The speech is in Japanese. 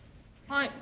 はい。